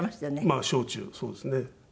まあ小中そうですね。